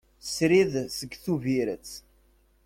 Srid seg Tubiret.